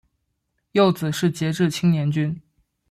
幼子是杰志青年军。